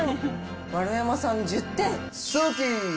丸山さん１０点。